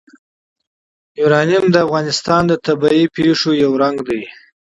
یورانیم د افغانستان د طبیعي پدیدو یو رنګ دی.